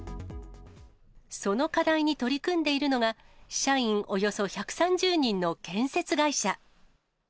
その課題に取り組んでいるのが、社員およそ１３０人の建設会社。